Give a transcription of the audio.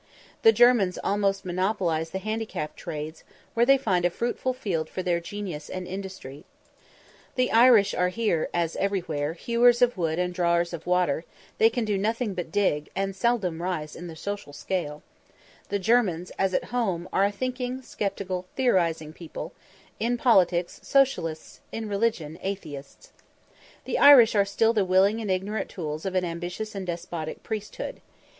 The Germans almost monopolise the handicraft trades, where they find a fruitful field for their genius and industry; the Irish are here, as everywhere, hewers of wood and drawers of water; they can do nothing but dig, and seldom rise in the social scale; the Germans, as at home, are a thinking, sceptical, theorising people: in politics, Socialists in religion, Atheists. The Irish are still the willing and ignorant tools of an ambitious and despotic priesthood.